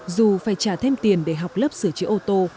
dù phải trả thêm tiền để học lớp sửa chữa ô tô